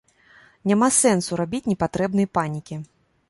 Няма сэнсу рабіць непатрэбнай панікі.